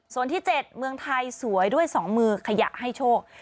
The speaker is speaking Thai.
ส่วนที่๗เมืองไทยสวยด้วย๒มือขยะให้โชค